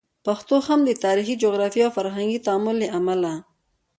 پښتو هم د تاریخي، جغرافیایي او فرهنګي تعامل له امله